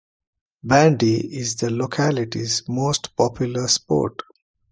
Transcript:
Bandy is the locality's most popular sport.